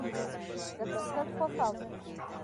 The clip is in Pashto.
زه کرکټ خوښوم